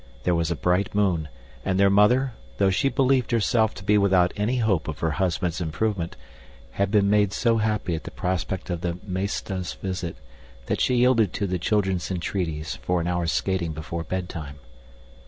There was a bright moon, and their mother, though she believed herself to be without any hope of her husband's improvement, had been made so happy at the prospect of the meester's visit, that she yielded to the children's entreaties for an hour's skating before bedtime.